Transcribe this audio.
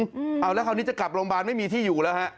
เอาแล้วคราวนี้จะกลับโรงพยาบาลไม่มีที่อยู่แล้วฮะ